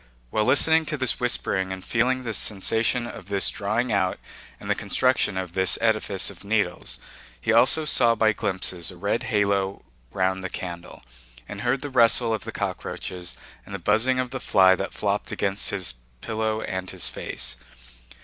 While listening to this whispering and feeling the sensation of this drawing out and the construction of this edifice of needles, he also saw by glimpses a red halo round the candle, and heard the rustle of the cockroaches and the buzzing of the fly that flopped against his pillow and his face.